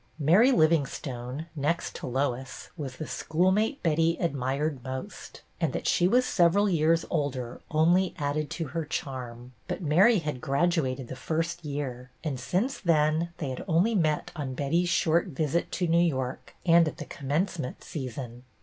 Mary Livingstone, next to Lois, was the schoolmate Betty admired most, and that she was several years older only added to her charm ; but Mary had graduated the first year, and since then they had met only on Betty's short visit to New York and at the commencement season.